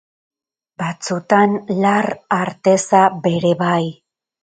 Batzutan, lar arteza bere bai.